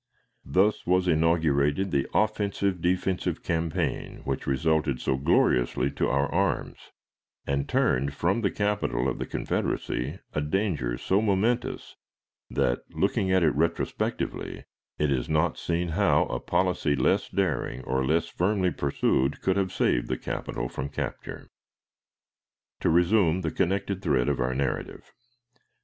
Thus was inaugurated the offensive defensive campaign which resulted so gloriously to our arms, and turned from the capital of the Confederacy a danger so momentous that, looking at it retrospectively, it is not seen how a policy less daring or less firmly pursued could have saved the capital from capture. To resume the connected thread of our narrative.